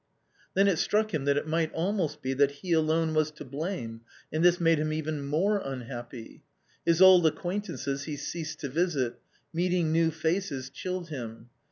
Then it struck him that it might almost be that he alone ^ was to blame, and this made him even more unhappy. His old acquaintances he ceased to visit ; meeting new faces chilled him.